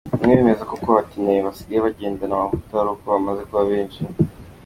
Bamwe bemeza ko kuba Abatinganyi basigaye bagendana amavuta ari uko bamaze kuba benshi.